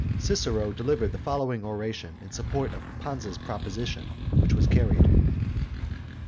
Cicero delivered the following oration in support of Pansa's proposition, which was carried.